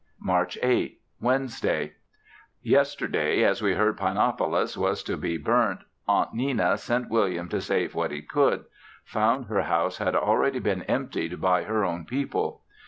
March 8. Wednesday. Yesterday, as we heard Pinopolis was to be burnt, Aunt Nenna sent William to save what he could; found her house had already been emptied by her own people.